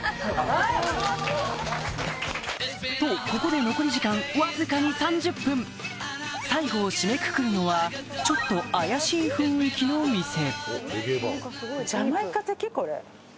とここで残り時間わずか２０３０分最後を締めくくるのはちょっと怪しい雰囲気の店「ＮＡＴＴＹＤＲＥＡＤ」。